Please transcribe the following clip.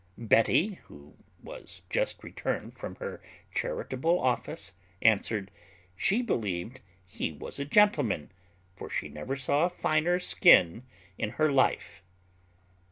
Betty, who was just returned from her charitable office, answered, she believed he was a gentleman, for she never saw a finer skin in her life.